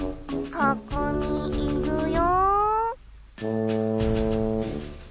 ここにいるよ。